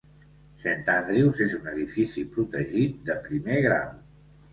Saint Andrew's és un edifici protegit de primer grau.